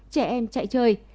trẻ em chạy chơi